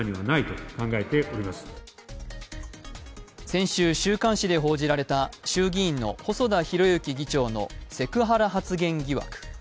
先週、週刊誌で報じられた衆議院の細田博之議長のセクハラ発言疑惑。